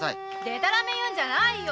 でたらめ言うんじゃないよ。